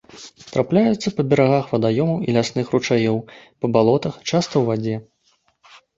Трапляюцца па берагах вадаёмаў і лясных ручаёў, па балотах, часта ў вадзе.